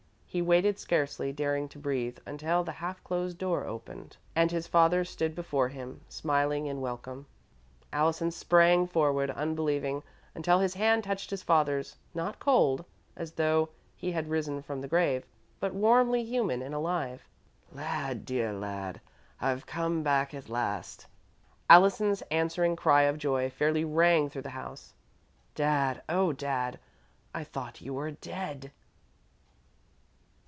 He waited, scarcely daring to breathe, until the half closed door opened, and his father stood before him, smiling in welcome. Allison sprang forward, unbelieving, until his hand touched his father's, not cold, as though he had risen from the grave, but warmly human and alive. "Lad, dear lad! I've come back at last!" Allison's answering cry of joy fairly rang through the house. "Dad! Oh, Dad! I thought you were dead!"